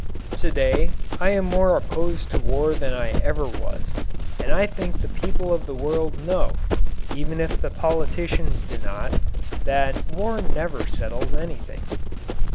To day I am more opposed to war than ever I was, and I think the people of the world know even if the politicians do not that war never settles anything.